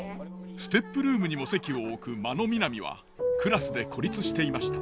ＳＴＥＰルームにも籍を置く真野みなみはクラスで孤立していました。